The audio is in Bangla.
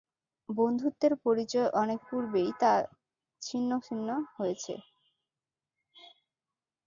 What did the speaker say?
বন্ধুত্বের পরিচয় অনেক পূর্বেই তো ছিন্ন ভিন্ন হয়েছে।